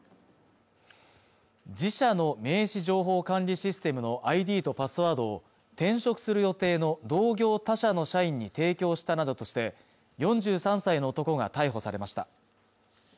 自社の名刺情報管理システムのＩＤとパスワードを転職する予定の同業他社の社員に提供したなどとして４３歳の男が逮捕されました